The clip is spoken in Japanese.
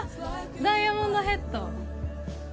ダイヤモンドヘッド！